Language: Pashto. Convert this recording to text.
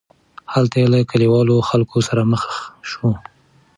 هلته یې له کلیوالو خلکو سره مخ شو.